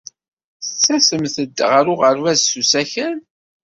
Tettasemt-d ɣer uɣerbaz s usakal?